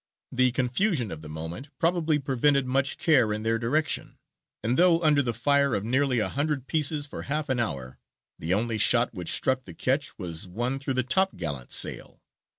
The confusion of the moment probably prevented much care in their direction, and though under the fire of nearly a hundred pieces for half an hour, the only shot which struck the ketch was one through the topgallant sail.